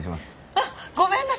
あっごめんなさい！